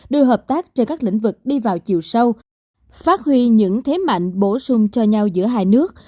đưa hợp tác trên các lĩnh vực đi vào chiều sâu phát huy những thế mạnh bổ sung cho nhau giữa hai nước